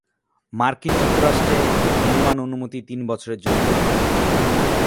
মার্কিন যুক্তরাষ্ট্রে, একটি নির্মাণ অনুমতি তিন বছরের জন্য বৈধ।